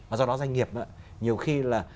do đó doanh nghiệp nhiều khi là